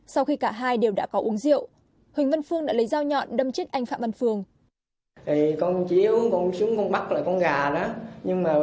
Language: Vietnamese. sau khi cả hai đều đã có uống rượu huỳnh văn phương đã lấy dao nhọn đâm chết anh phạm văn phương